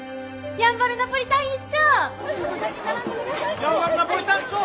やんばるナポリタン頂戴！